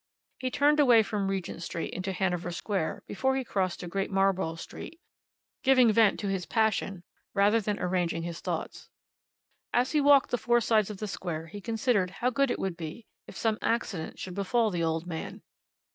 He turned away from Regent Street into Hanover Square before he crossed to Great Marlborough Street, giving vent to his passion rather than arranging his thoughts. As he walked the four sides of the square he considered how good it would be if some accident should befall the old man.